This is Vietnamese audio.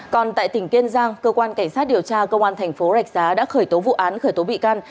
còn tại tỉnh kiên giang cơ quan cảnh sát điều tra công an thành phố rạch giá đã khởi tố vụ án khởi tố bị can